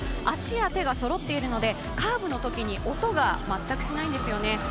足や手がそろっているのでカーブのときに音が全くしないんですよね。